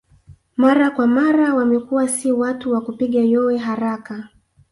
Mara kwa mara wamekuwa si watu wa kupiga yowe haraka